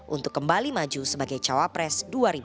untuk kembali maju sebagai cawapres dua ribu sembilan belas